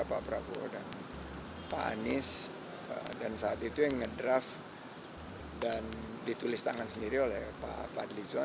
pak prabowo dan pak anies dan saat itu yang ngedraft dan ditulis tangan sendiri oleh pak fadlizon